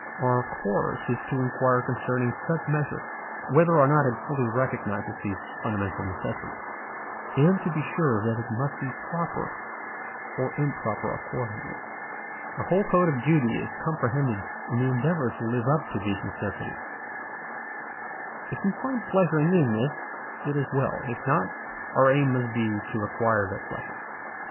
Our course is to inquire concerning such measure, whether or not it fully recognises these fundamental necessities, and to be sure that it must be proper or improper accordingly. Our whole code of duty is comprehended in the endeavour to live Digitized by VjOOQIC 70 THE DIVINE IDEA, AND up to these necessities. If we find pleasure in doing this, it is well ; if not, our aim must be to acquire that pleasure.